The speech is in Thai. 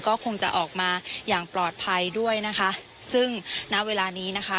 ก็คงจะออกมาอย่างปลอดภัยด้วยนะคะซึ่งณเวลานี้นะคะ